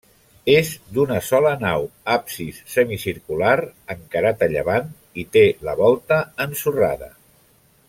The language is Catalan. És d'una sola nau, absis semicircular -encarat a llevant- i té la volta ensorrada.